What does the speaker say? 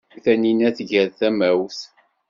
Taninna tger tamawt.